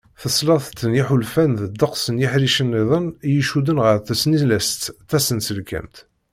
Tesleḍt n yiḥulfan d ddeqs n yiḥricen-nniḍen i icudden ɣer tesnilest tasenselkamt.